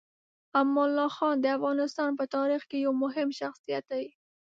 امان الله خان د افغانستان په تاریخ کې یو مهم شخصیت دی.